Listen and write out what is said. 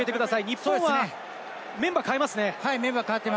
日本はメンバーを代えますね。